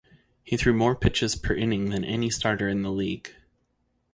He threw more pitches per inning than any starter in the league.